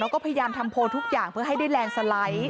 แล้วก็พยายามทำโพลทุกอย่างเพื่อให้ได้แรงสไลด์